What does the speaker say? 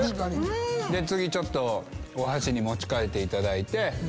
次ちょっとお箸に持ち替えていただいて。